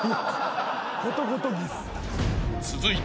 ［続いて］